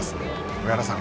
上原さん